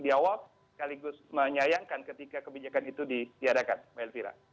kami jawab sekaligus menyayangkan ketika kebijakan itu diadakan mbak elvira